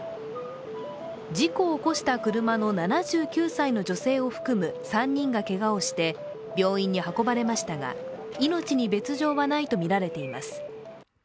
事故を起こした車の７９歳の女性を含む３人がけがをして病院に運ばれましたが、命に別状はないとみられています。